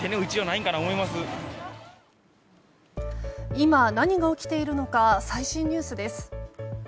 今何が起きているのか最新ニュースです。